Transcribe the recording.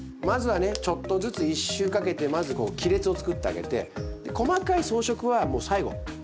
まずはねちょっとずつ１周かけてまずこう亀裂をつくってあげて細かい装飾はもう最後。